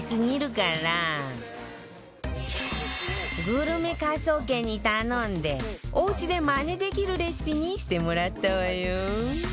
グルメ科捜研に頼んでおうちでマネできるレシピにしてもらったわよ